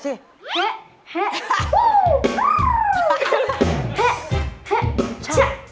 เฮ่ะเฮ่ะเช่ะ